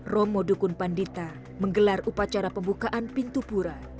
romo dukun pandita menggelar upacara pembukaan pintu pura